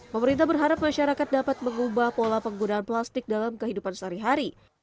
pemerintah berharap masyarakat dapat mengubah pola penggunaan plastik dalam kehidupan sehari hari